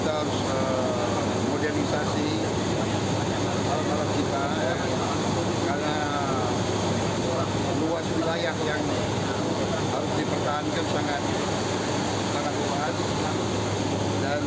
kita harus modernisasi alutsista karena luas wilayah yang harus dipertahankan sangat luas